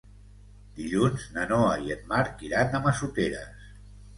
Dilluns na Noa i en Marc iran a Massoteres.